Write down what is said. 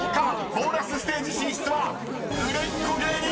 ボーナスステージ進出は売れっ子芸人チームに決定！］